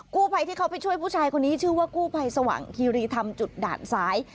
กู้ภัยที่เขาไปช่วยผู้ชายคนนี้ชื่อว่ากู้ภัยสว่างคีรีธรรมจุดด่านซ้าย